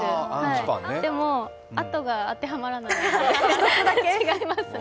でも、あとが当てはまらないので違いますね。